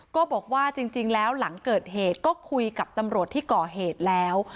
ก็บอกว่าจริงแล้วหลังเกิดเหตุก็คุยกับตำรวจที่ก่อเหตุแล้ว